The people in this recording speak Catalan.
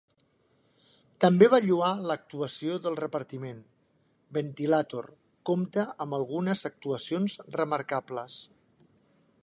També va lloar l'actuació del repartiment: "Ventilator" compta amb algunes actuacions remarcables.